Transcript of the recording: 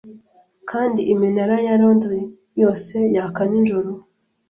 kandi iminara ya Londres yose yaka ninjoro